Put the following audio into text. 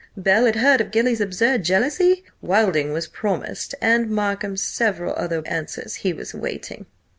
Bel. had heard of Gilly's absurd jealousy? Wilding was promised, and Markham; several other answers he was awaiting.